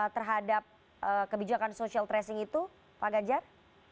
terhadap kebijakan social tracing itu pak ganjar